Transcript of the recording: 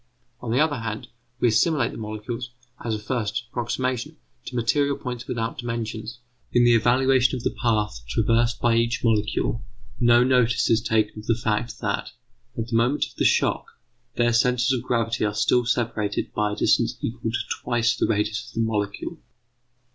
On the other hand, we assimilate the molecules, as a first approximation, to material points without dimensions; in the evaluation of the path traversed by each molecule no notice is taken of the fact that, at the moment of the shock, their centres of gravity are still separated by a distance equal to twice the radius of the molecule.